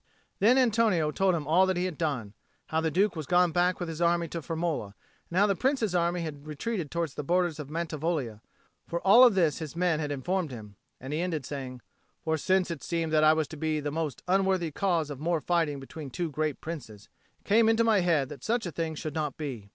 Then Antonio told him all that he had done: how the Duke was gone back with his army to Firmola, and how the Prince's army had retreated towards the borders of Mantivoglia; for of all this his men had informed him; and he ended, saying, "For since it seemed that I was to be the most unworthy cause of more fighting between two great Princes, it came into my head that such a thing should not be.